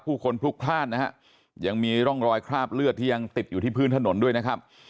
ผู้คนพลุกพลาดนะฮะยังมีร่องรอยคราบเลือดที่ยังติดอยู่ที่พื้นถนนด้วยนะครับ